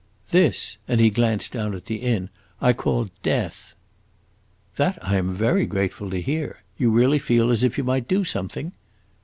This," and he glanced down at the inn, "I call death!" "That I am very grateful to hear. You really feel as if you might do something?"